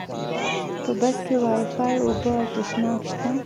په بس کې وایفای، اوبه او تشناب شته.